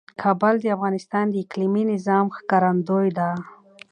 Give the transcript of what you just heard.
کابل د افغانستان د اقلیمي نظام ښکارندوی ده.